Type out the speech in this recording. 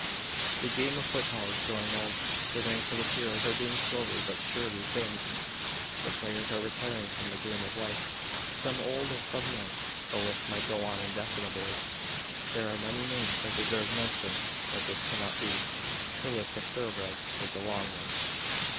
The game of football is growing old. The ranks of its heroes are being slowly but surely thinned. The players are retiring from the game of life; some old and some young. The list might go on indefinitely. There are many names that deserve mention. But this cannot be. The list of thoroughbreds is a long one.